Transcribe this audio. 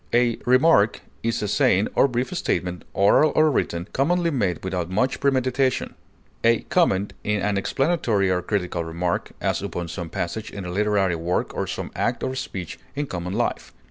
A remark is a saying or brief statement, oral or written, commonly made without much premeditation; a comment is an explanatory or critical remark, as upon some passage in a literary work or some act or speech in common life.